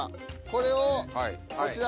これをこちら。